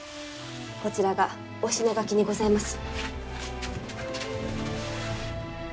こちらがおしながきにございます。